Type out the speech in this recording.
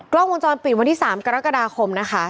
กล้องวงจรปิดวันที่๓กรกฎาคมนะคะ